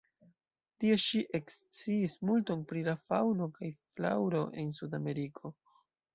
Tie ŝi eksciis multon pri la faŭno kaj flaŭro en Sudameriko.